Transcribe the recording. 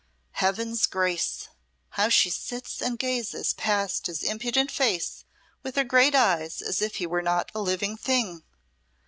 Heaven's grace! how she sits and gazes past his impudent face with her great eyes as if he were not a living thing!